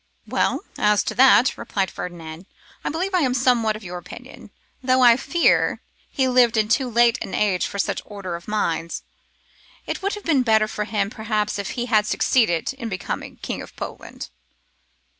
'Well, as to that,' replied Ferdinand, 'I believe I am somewhat of your opinion; though I fear he lived in too late an age for such order of minds. It would have been better for him perhaps if he had succeeded in becoming King of Poland.